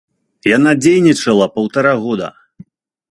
Яна дзейнічала паўтара года.